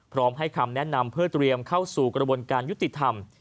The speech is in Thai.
พร้อมให้คำแนะนำเพื่อเตรียมเข้าสู่กระบวนการยุติธรรม